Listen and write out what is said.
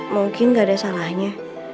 mungkin gak ada salahnya